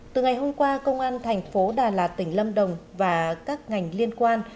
từ ngày hôm qua công an thành phố đà lạt tỉnh lâm đồng và các ngành liên quan